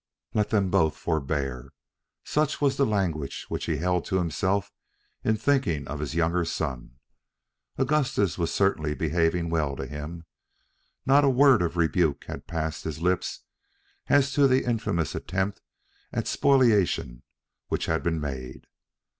Let them both forbear. Such was the language which he held to himself in thinking of his younger son. Augustus was certainly behaving well to him. Not a word of rebuke had passed his lips as to the infamous attempt at spoliation which had been made.